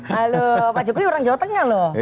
halo pak jokowi orang jawa tengah loh